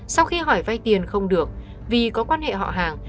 sau khi hỏi vay tiền không được vì có quan hệ họ hàng